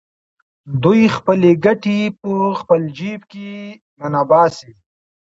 دوی خپلې ګټې په خپل جېب کې ننباسي